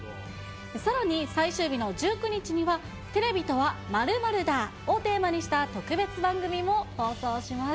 さらに最終日の１９日には、テレビとは、○○だをテーマにした特別番組も放送します。